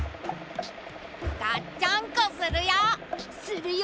がっちゃんこするよ。するよ。